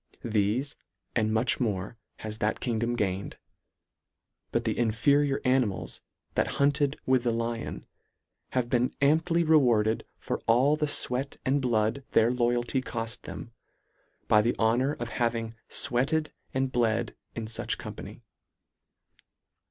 Thefe, and much more has that kingdom gained ; but the inferior animals that hunted with the Lion, have been amply rewarded for all the fweat and blood their loyalty coft them, by the honour of having fweated and bled in fuch company.